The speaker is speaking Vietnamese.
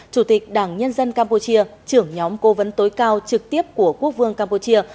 chủ tịch đảng nhân dân campuchia trưởng nhóm cố vấn tối cao trực tiếp của quốc vương campuchia